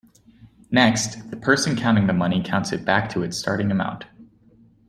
Next, the person counting the money counts it back to its starting amount.